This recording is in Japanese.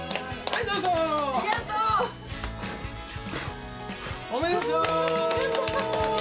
ありがとう！